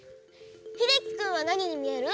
ひできくんはなににみえる？